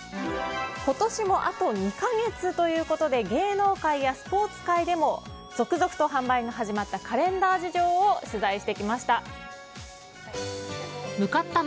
今年もあと２か月ということで芸能界やスポーツ界でも続々と販売が始まったカレンダー事情を取材してきました。